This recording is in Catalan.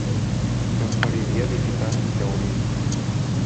Preferiria visitar Llaurí.